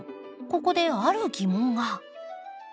ここである疑問が。